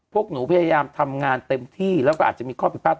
พวกหนูพยายามทำงานเต็มที่แล้วก็อาจจะมีข้อผิดพลาด